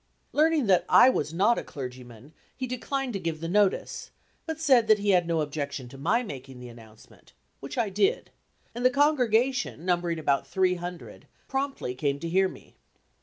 Learning that I was not a clergyman, he declined to give the notice, but said that he had no objection to my making the announcement, which I did, and the congregation, numbering about three hundred, promptly came to hear me.